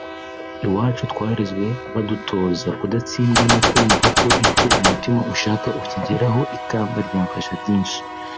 iwacu twarezwe badutoza kudatsindwa no kumva ko icyo umutima ushaka ukigeraho […] Ikamba ryamfasha byinshi